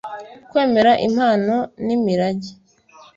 kwemera impano n'imirage